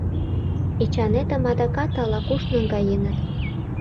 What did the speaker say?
Эчанетым адакат ала-куш наҥгаеныт.